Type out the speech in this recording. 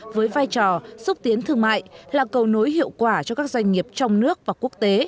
với vai trò xúc tiến thương mại là cầu nối hiệu quả cho các doanh nghiệp trong nước và quốc tế